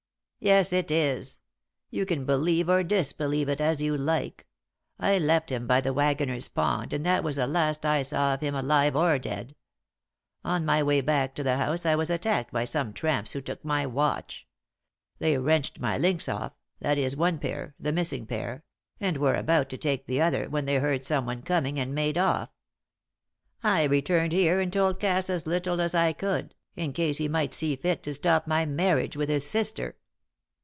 "Yes, it is. You can believe or disbelieve it as you like. I left him by the Waggoner's Pond, and that was the last I saw of him alive or dead. On my way back to the house I was attacked by some tramps who took my watch. They wrenched my links off that is one pair, the missing pair and were about to take the other when they heard someone coming and made off. I returned here and told Cass as little as I could, in case he might see fit to stop my marriage with his sister."